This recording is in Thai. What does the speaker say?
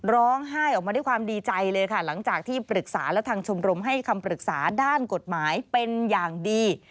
ร้องไห้ออกมาด้วยความดีใจเลยค่ะหลังจากที่ปรึกษาและทางชมรมให้คำปรึกษาด้านกฎหมายเป็นอย่างดี